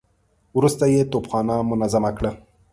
وروسته يې توپخانه منظمه کړه.